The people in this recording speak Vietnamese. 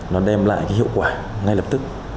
nó đem lại cái hiệu quả ngay lập tức